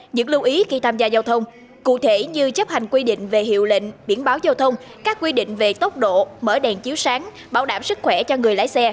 những lưu ý khi tham gia giao thông cụ thể như chấp hành quy định về hiệu lệnh biển báo giao thông